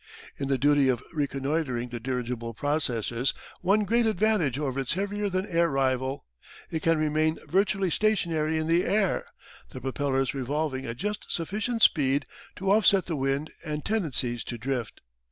In the duty of reconnoitring the dirigible possesses one great advantage over its heavier than air rival. It can remain virtually stationary in the air, the propellers revolving at just sufficient speed to off set the wind and tendencies to drift.